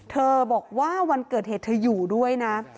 เธอบอกว่าวันเกิดเหตุเธออยู่ด้วยนะ